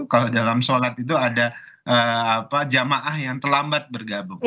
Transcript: kalau dalam sholat itu ada jamaah yang terlambat bergabung